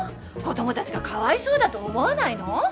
子供たちがかわいそうだと思わないの？